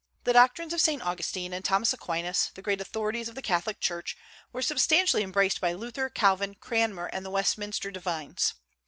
The doctrines of Saint Augustine and Thomas Aquinas, the great authorities of the Catholic Church, were substantially embraced by Luther, Calvin, Cranmer, and the Westminster divines.